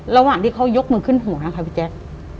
ระหว่างที่เขายกมือขึ้นหูนะคะพี่แจ๊ค